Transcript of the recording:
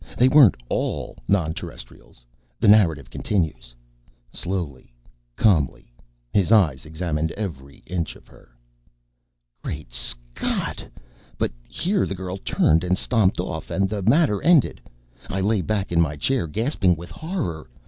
They weren't all non Terrestrials. The narrative continues: ... slowly, calmly, his eyes examined every inch of her. Great Scott! But here the girl turned and stomped off and the matter ended. I lay back in my chair gasping with horror.